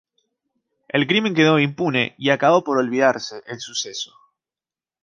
El crimen quedó impune y acabó por olvidarse el suceso.